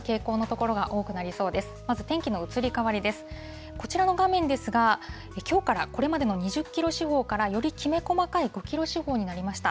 こちらの画面ですが、きょうから、これまでの２０キロ四方からよりきめ細かい５キロ四方になりました。